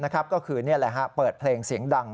ก็คือเปิดเพลงเสียงดัง